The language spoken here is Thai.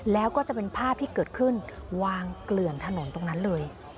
แล้วก็จะเป็นภาพที่เกิดขึ้นวางเกลื่อนถนนตรงนั้นเลย